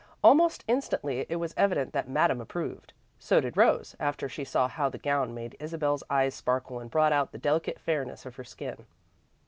Almost instantly it was evident that Madame approved. So did Rose, after she saw how the gown made Isabel's eyes sparkle and brought out the delicate fairness of her skin.